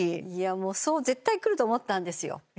もうそう絶対くると思ったんですよ